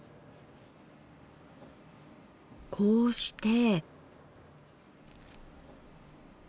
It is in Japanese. こうして。